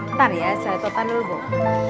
ntar ya saya tonton dulu mbah